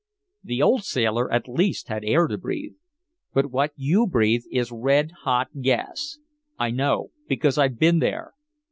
"The old sailor at least had air to breathe. But what you breathe is red hot gas I know because I've been there.